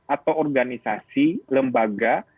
atau organisasi lembaga